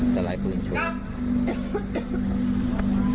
สไลด์ปืนโชว์กลับ